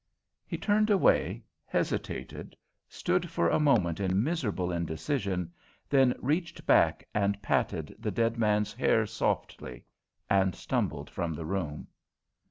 He turned away, hesitated, stood for a moment in miserable indecision; then reached back and patted the dead man's hair softly, and stumbled from the room.